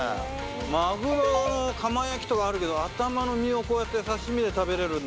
マグロのかま焼きとかあるけど頭の身をこうやって刺し身で食べられるんだ。